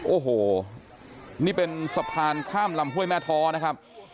โอ้โหนี่เป็นสะพานข้ามลำห้วยแม่ท้อนะครับ